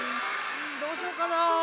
どうしようかな？